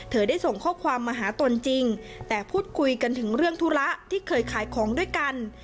ได้ส่งข้อความมาหาตนจริงแต่พูดคุยกันถึงเรื่องธุระที่เคยขายของด้วยกัน